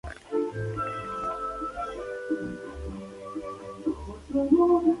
Cada cápsula contiene uno o dos huevos.